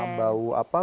sama bau apa